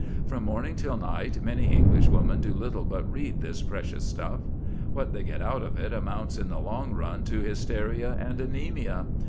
From morning till night many Englishwomen do little but read this precious stuff. What they get out of it amounts in the long run to hysteria and anæmia.